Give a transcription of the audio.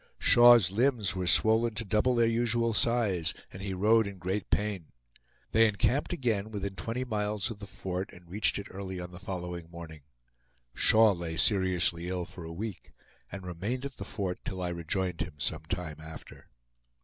Shaw's limbs were swollen to double their usual size, and he rode in great pain. They encamped again within twenty miles of the fort, and reached it early on the following morning. Shaw lay seriously ill for a week, and remained at the fort till I rejoined him some time after.